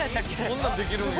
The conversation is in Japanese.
こんなんできるんや。